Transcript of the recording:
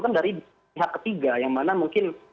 kan dari pihak ketiga yang mana mungkin